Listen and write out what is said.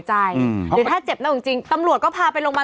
หรือถ้าเจ็บหน้าอกจริงตำรวจก็พาไปลงมา